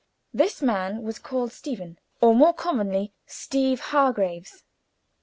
This man was called Stephen, or more commonly, Steeve Hargraves.